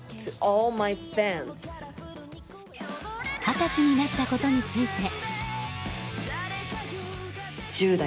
二十歳になったことについて。